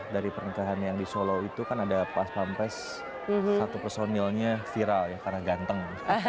dari pernikahan yang di solo itu kan ada pas pampres satu personilnya viral ya karena ganteng